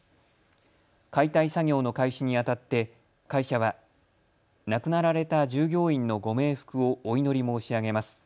解体作業の開始にあたって会社は亡くなられた従業員のご冥福をお祈り申し上げます。